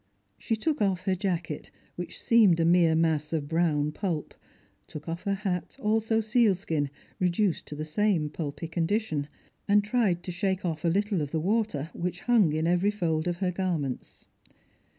She took off her jacket, which seemed a mere mass of brown pulp ; took off her hat, also sealskin, reduced to the same pulpy condition ; and tried to shake off a little of the water which hung in every fold of her garments.